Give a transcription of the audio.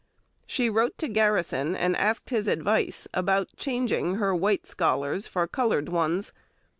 She wrote to Garrison and asked his advice about changing her white scholars for coloured ones.